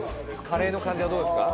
カレーの感じはどうですか？